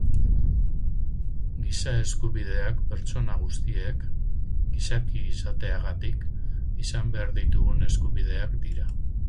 Giza eskubideak pertsona guztiek, gizaki izateagatik, izan behar ditugun eskubideak dira.